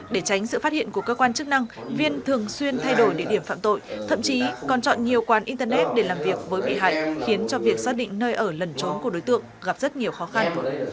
để tránh sự phát hiện của cơ quan chức năng viên thường xuyên thay đổi địa điểm phạm tội thậm chí còn chọn nhiều quán internet để làm việc với bị hại khiến cho việc xác định nơi ở lần trốn của đối tượng gặp rất nhiều khó khăn